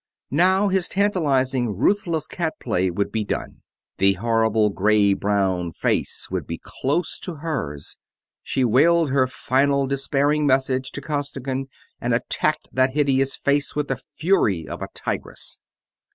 Now his tantalizing, ruthless cat play would be done, the horrible gray brown face would be close to hers she wailed her final despairing message to Costigan and attacked that hideous face with the fury of a tigress.